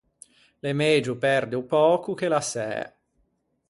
L’é megio perde o pöco che l’assæ.